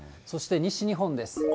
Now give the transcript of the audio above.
そして、西日本です。